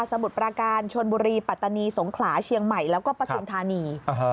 มุดประการชนบุรีปัตตานีสงขลาเชียงใหม่แล้วก็ปฐุมธานี